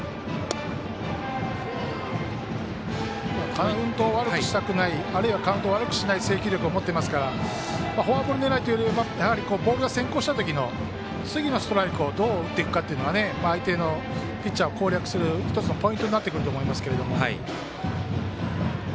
カウントを悪くしたくないあるいはカウントを悪くしない制球力を持ってますからフォアボール狙いというよりはボールが先行した時の次のストライクをどう打っていくかというのは相手のピッチャーを攻略する１つのポイントになってくると思います。